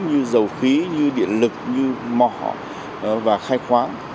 như dầu khí như điện lực như mỏ và khai khoáng